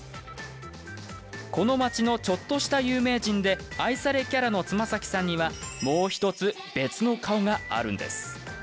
この町のちょっとした有名人で愛されキャラの妻崎さんにはもう１つ別の顔があるんです。